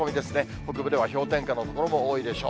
北部では氷点下の所も多いでしょう。